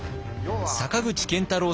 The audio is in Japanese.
坂口健太郎さん